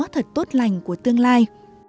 thật tốt lành của tương lai